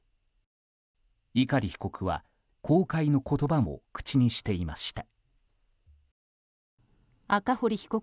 碇被告は後悔の言葉も口にしていました。